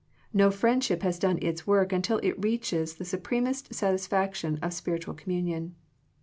No friendship has done its work until it reaches the supremest satisfaction of spiritual com munion.